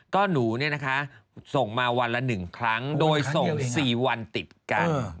ก็หนูส่งมาวันละ๑ครั้งโดยส่ง๔วันติดกัน